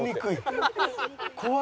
怖い。